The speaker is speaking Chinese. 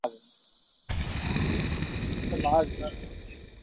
本区一直是保守党的根据地。